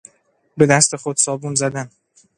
به دست خود صابون زدن